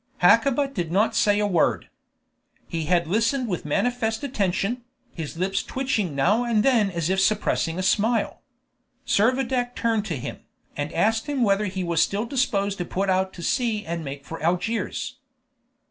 Hakkabut did not say a word. He had listened with manifest attention, his lips twitching now and then as if suppressing a smile. Servadac turned to him, and asked whether he was still disposed to put out to sea and make for Algiers.